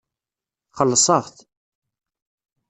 Xellṣeɣ-t.